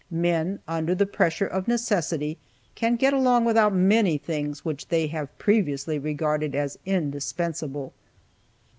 Men, under the pressure of necessity, can get along without many things which they have previously regarded as indispensable.